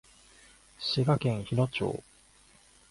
滋賀県日野町